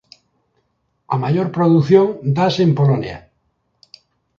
A maior produción dáse en Polonia.